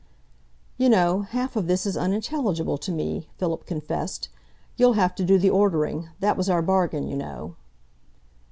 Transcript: "You know, half of this is unintelligible to me," Philip confessed. "You'll have to do the ordering that was our bargain, you know."